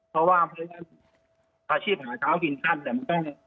เพราะว่าพัทยาอาชีพหาเช้ากินขั้นมันต้อง